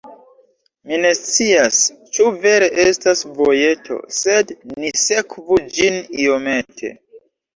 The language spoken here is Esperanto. Mi ne scias, ĉu vere estas vojeto, sed ni sekvu ĝin iomete.